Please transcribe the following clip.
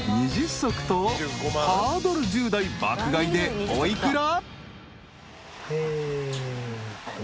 足とハードル１０台爆買いでお幾ら？］